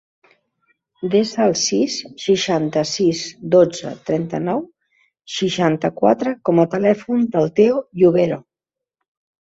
Desa el sis, seixanta-sis, dotze, trenta-nou, seixanta-quatre com a telèfon del Theo Yubero.